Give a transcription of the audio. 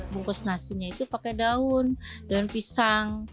bungkus nasinya itu pakai daun daun pisang